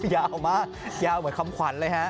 ยาวมากยาวเหมือนคำขวัญเลยฮะ